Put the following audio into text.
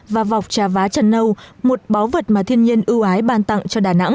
và vọc trà vá chân nâu một báu vật mà thiên nhiên ưu ái ban tặng cho đà nẵng